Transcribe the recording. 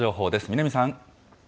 南さん。